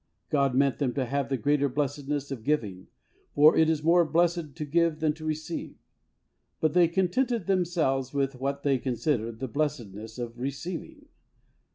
God meant them to have the greater blessedness of giving, for "it is more blessed to give than to receive,'* but they contented themselves with what they considered the blessedness of receiving.